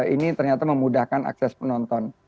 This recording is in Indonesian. ini ternyata memudahkan akses penonton